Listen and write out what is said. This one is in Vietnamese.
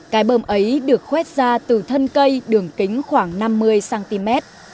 cái bơm ấy được khoét ra từ thân cây đường kính khoảng năm mươi cm